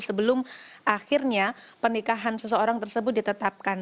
sebelum akhirnya pernikahan seseorang tersebut ditetapkan